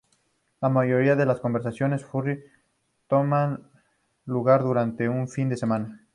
La mayoría de las convenciones furry toman lugar durante un fin de semana.